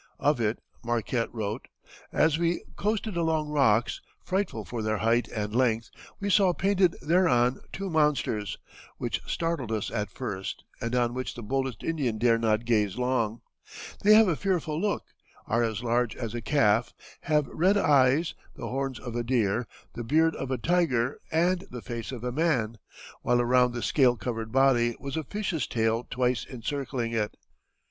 Of it Marquette wrote: "As we coasted along rocks, frightful for their height and length, we saw painted thereon two monsters, which startled us at first, and on which the boldest Indian dare not gaze long. They have a fearful look, are as large as a calf, have red eyes, the horns of a deer, the beard of a tiger, and the face of a man, while around the scale covered body was a fish's tail twice encircling it.